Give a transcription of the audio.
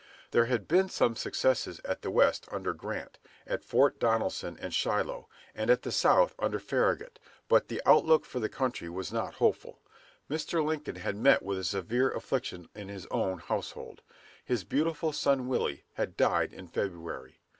There had been some successes at the West under Grant, at Fort Donelson and Shiloh, and at the South under Farragut, but the outlook for the country was not hopeful. Mr. Lincoln had met with a severe affliction in his own household. His beautiful son Willie had died in February.